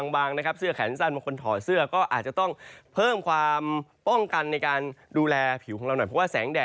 บางเสื้อแขนสั้น